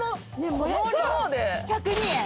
１０２円。